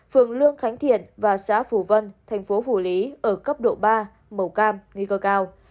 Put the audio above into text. phường lương khánh thiện và xã phù vân thành phố phủ lý ở cấp độ ba màu cam nghi cơ cao